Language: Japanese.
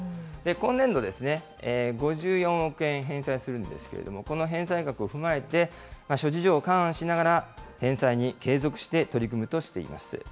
今年度ですね、５４億円返済するんですけれども、この返済額を踏まえて、諸事情を勘案しながら返済に継続して取り組むとしています。